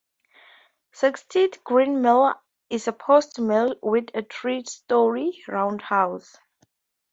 "Saxtead Green Mill" is a post mill with a three storey roundhouse.